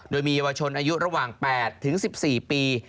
โดยมีเยาวชนอายุระหว่าง๘๑๔ปี